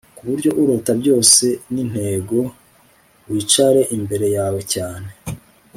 kubyo urota byose nintego wicare imbere yawe cyane